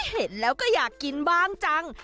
เห็นแล้วก็อยากกินบ้างจัง